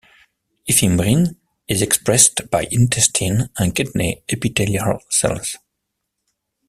I-fimbrin is expressed by intestine and kidney epithelial cells.